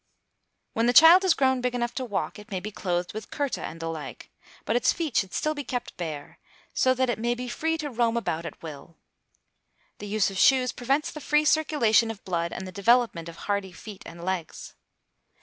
When the child has grown big enough to walk, it may be clothed with kurta and the like, but its feet should still be kept bare, so that it may be free to roam about at will. The use of shoes prevents the free circulation of blood and the development of hardy feet and legs.